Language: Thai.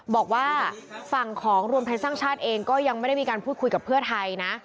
บอกว่าฝั่งของรวมไทยสร้างชาติเองก็ยังไม่ได้มีการพูดคุยกับเพื่อไทยนะ